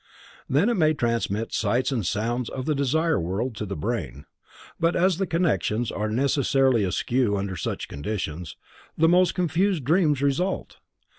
Then it may transmit sights and sounds of the desire world to the brain. But as the connections are necessarily askew under such conditions, the most confused dreams result.